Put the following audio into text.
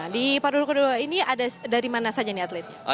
di paruh kedua ini ada dari mana saja atletnya